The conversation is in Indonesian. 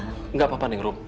tidak apa apa ningrum